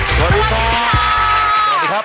สวัสดีค่ะ